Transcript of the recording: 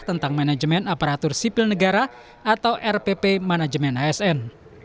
tentang manajemen aparatur sipil negara atau rpp manajemen asn